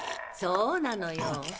そうなのよ。